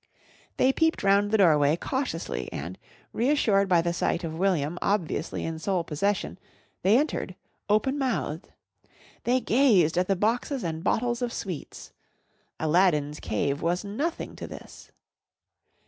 They peeped round the door way cautiously and, reassured by the sight of William obviously in sole possession, they entered, openmouthed. They gazed at the boxes and bottles of sweets. Aladdin's Cave was nothing to this.